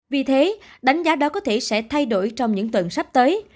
vì thế đánh giá đó có thể sẽ thay đổi trong những tuần sắp tới